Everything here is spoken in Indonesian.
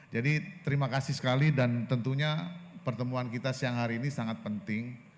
jadi terima kasih sekali dan tentunya pertemuan kita siang hari ini sangat penting